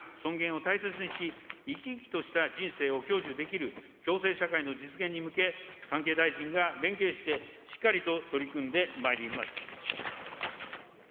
多様性が尊重され、すべての人々が互いの人権や尊厳を大切にし、生き生きとした人生を享受できる共生社会の実現に向け、関係大臣が連携して、しっかりと取り組んでまいります。